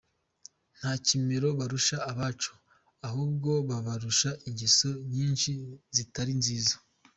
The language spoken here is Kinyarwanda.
Nta kimero barusha abacu; ahubwo babarusha ingeso nyinshi zitari nziza.